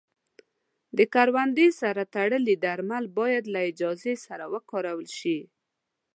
د کروندې سره تړلي درمل باید له اجازې سره وکارول شي.